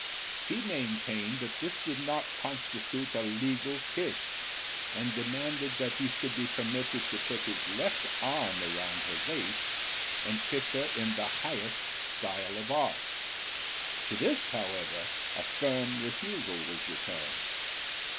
He maintained that this did not constitute a legal kiss, and demanded that he should be permitted to put his left arm around her waist and kiss her in the highest style of art. To this, however, a firm refusal was returned.